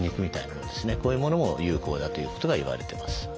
こういうものも有効だということが言われてます。